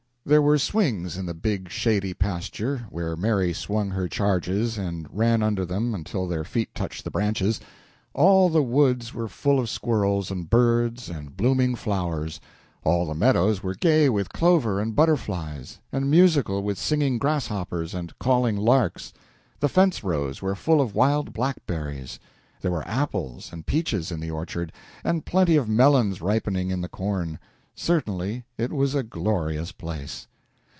There were swings in the big, shady pasture, where Mary swung her charges and ran under them until their feet touched the branches. All the woods were full of squirrels and birds and blooming flowers; all the meadows were gay with clover and butterflies, and musical with singing grasshoppers and calling larks; the fence rows were full of wild blackberries; there were apples and peaches in the orchard, and plenty of melons ripening in the corn. Certainly it was a glorious place!